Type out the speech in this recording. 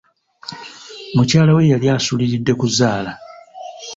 Mukyala we yali asuuriridde kuzaala.